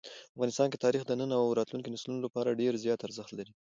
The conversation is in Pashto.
افغانستان کې تاریخ د نن او راتلونکي نسلونو لپاره ډېر زیات ارزښت لري.